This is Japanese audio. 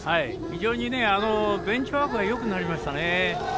非常にベンチワークがよくなりましたね。